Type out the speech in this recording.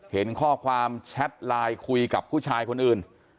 เห็นข้อความแชทไลน์คุยกับผู้ชายคนอื่น